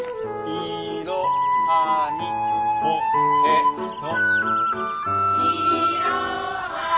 「いろはにほへと」。